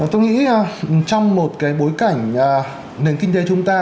tôi nghĩ trong một cái bối cảnh nền kinh tế chúng ta